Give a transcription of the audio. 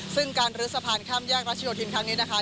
ซึ่งการลื้อสะพานข้ามแยกรัชโยธินครั้งนี้นะคะ